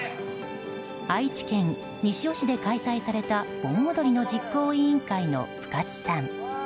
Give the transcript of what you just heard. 愛知県西尾市で開催された盆踊りの実行委員会の深津さん。